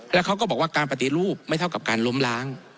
แล้วเขาก็บอกว่าการปฏิรูปไม่เท่ากับการล้มล้าง